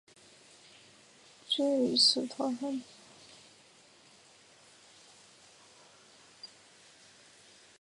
今次终极淘汰战要选手以喜悦和佻皮的一面配合自身有个性的猫步。